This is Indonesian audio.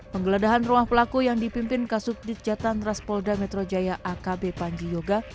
penggeledahan ruang pelaku yang dipimpin kasub dijatan ras polda metro jaya akb panji yoga